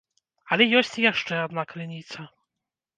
Але ёсць і яшчэ адна крыніца.